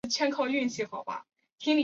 胡宗宪是其族弟。